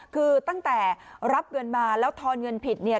คือตั้งแต่รับเงินมาแล้วทอนเงินผิดเนี่ย